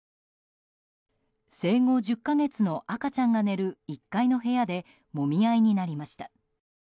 生後１０か月の赤ちゃんが寝る１階の部屋でもみ合いになりました。